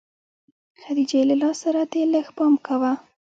خديجې له لاس سره دې لږ پام کوه.